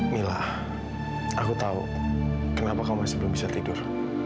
mila aku tahu kenapa kau masih bisa tidur